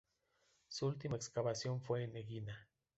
Su última excavación fue en Egina.